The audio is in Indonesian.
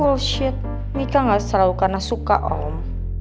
bullshit nikah enggak selalu karena suka om